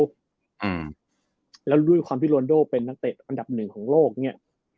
อ่าแล้วด้วยความที่โรนโดเป็นนักเตะอันดับหนึ่งของโลกเนี้ย